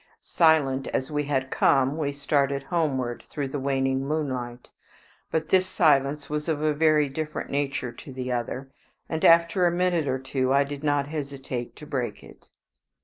Silent as we had come we started homeward through the waning moonlight, but this silence was of a very different nature to the other, and after a minute or two I did not hesitate to break it.